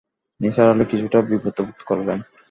নিসার আলি কিছুটা বিব্রত বোধ করলেন।